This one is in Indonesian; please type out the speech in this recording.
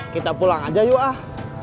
kita pulang aja yuk ah